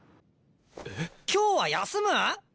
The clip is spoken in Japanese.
えっ？今日は休む！？